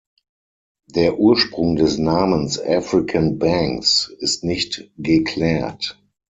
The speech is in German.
Der Ursprung des Namens African Banks ist nicht geklärt.